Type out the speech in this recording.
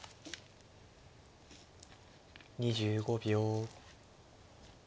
２５秒。